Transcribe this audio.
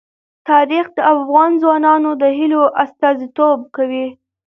تاریخ د افغان ځوانانو د هیلو استازیتوب کوي.